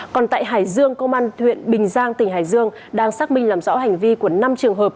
còn tại hải dương công an huyện bình giang tỉnh hải dương đang xác minh làm rõ hành vi của năm trường hợp